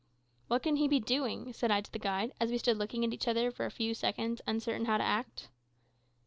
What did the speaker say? "What can he be doing?" said I to the guide, as we stood looking at each other for a few seconds uncertain how to act.